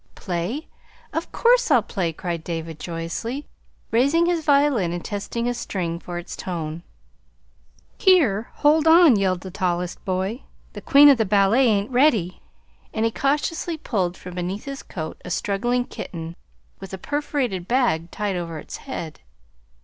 "Play? Of course I'll play," cried David joyously, raising his violin and testing a string for its tone. "Here, hold on," yelled the tallest boy. "The Queen o' the Ballet ain't ready". And he cautiously pulled from beneath his coat a struggling kitten with a perforated bag tied over its head.